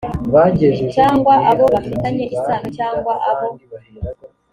cyangwa abo bafitanye isano cyangwa abo